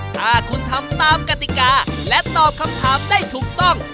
ถ้าคุณทำตามกติกาและตอบคำถามได้ถูกต้อง